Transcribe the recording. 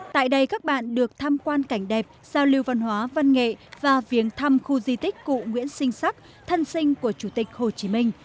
tại đây các bạn được tham quan cảnh đẹp giao lưu văn hóa văn nghệ và viếng thăm khu di tích cụ nguyễn sinh sắc thân sinh của chủ tịch hồ chí minh